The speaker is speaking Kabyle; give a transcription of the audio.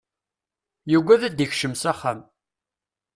Yuggad ad d-ikcem s axxam.